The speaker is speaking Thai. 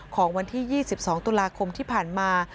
ของวันที่๒๒ตุลาคมที่ผ่านมา